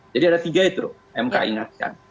jadi ada tiga itu mk ingatkan